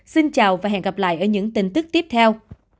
xin chào và hẹn gặp lại ở những tin tức tiếp theo